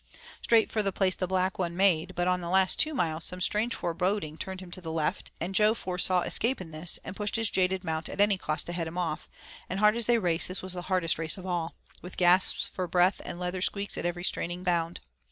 Straight for the place the Black One made, but on the last two miles some strange foreboding turned him to the left, and Jo foresaw escape in this, and pushed his jaded mount at any cost to head him off, and hard as they had raced this was the hardest race of all, with gasps for breath and leather squeaks at every straining bound.